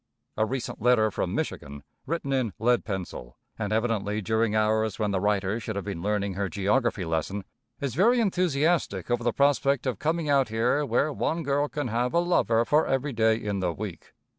A recent letter from Michigan, written in lead pencil, and evidently during hours when the writer should have been learning her geography lesson, is very enthusiastic over the prospect of coming out here where one girl can have a lover for every day in the week.